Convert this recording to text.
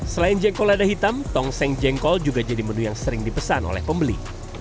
selain jengkol lada hitam tongseng jengkol juga jadi menu yang sering dipesan oleh pembeli